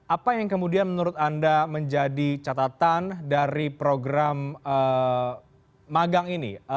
apa yang kemudian menurut anda menjadi catatan dari program magang ini